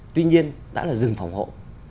tuy nhiên đã là rừng phòng hộ